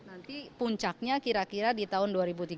nanti puncaknya kira kira di tahun dua ribu tiga puluh